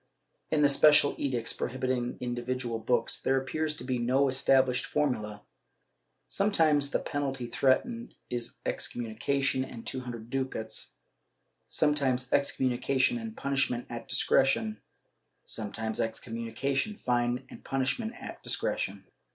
^ In the special edicts prohibiting individual books, there appears to be no established formula. Sometimes the penalty threatened is excommunication and two hundred ducats, sometimes excom munication and punishment at discretion, sometimes excommimi cation, fine and punishment at discretion.